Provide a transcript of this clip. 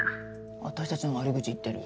私たちの悪口言ってる。